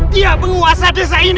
dia menguasai desa ini